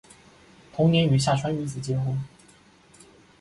同年与下川玉子结婚。